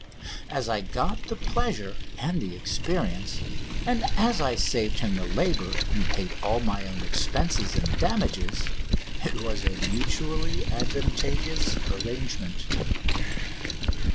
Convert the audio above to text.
As I got the pleasure and the experience, and as I saved him the labour and paid all my own expenses and damages, it was a mutually advantageous arrangement.